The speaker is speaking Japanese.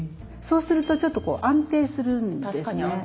そうするとちょっと安定するんですね。